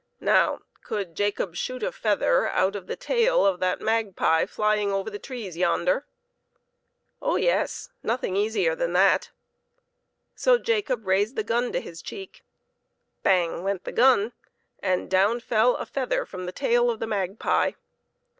Now, could Jacob shoot a feather out of the tail of the magpie flying over the trees yonder? Oh yes! nothing easier than that. So Jacob raised the gun to his cheek. Bang! went 2 PEPPER AND SALT. the gun, and down fell a feather from the tail of the magpie.